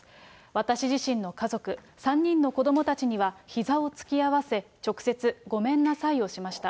私自身の家族、３人の子どもたちには、ひざを突き合わせ、直接ごめんなさいをしました。